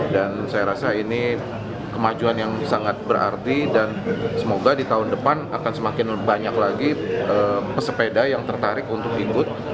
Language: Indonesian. dan saya rasa ini kemajuan yang sangat berarti dan semoga di tahun depan akan semakin banyak lagi pesepeda yang tertarik untuk ikut